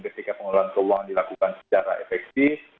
ketika pengelolaan keuangan dilakukan secara efektif